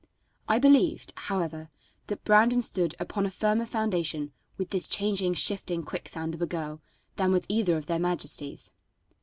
I believed, however, that Brandon stood upon a firmer foundation with this changing, shifting, quicksand of a girl than with either of their majesties.